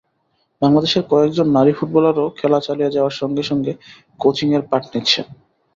বাংলাদেশের কয়েকজন নারী ফুটবলারও খেলা চালিয়ে যাওয়ার সঙ্গে সঙ্গে কোচিংয়ের পাঠ নিচ্ছেন।